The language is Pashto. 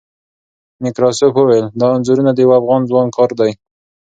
نکراسوف وویل، دا انځورونه د یوه افغان ځوان کار دی.